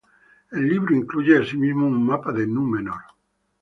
El libro incluye asimismo un mapa de Númenor.